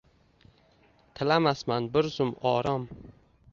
Tilamasman bir zumorom